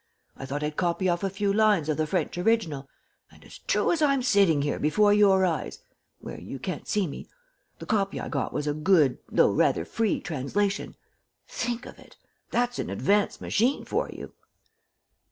I thought I'd copy off a few lines of the French original, and as true as I'm sitting here before your eyes, where you can't see me, the copy I got was a good, though rather free, translation. Think of it! That's an advanced machine for you!"